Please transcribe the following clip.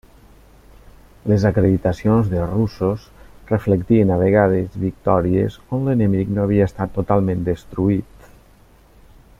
Les acreditacions dels russos reflectien a vegades victòries on l'enemic no havia estat totalment destruït.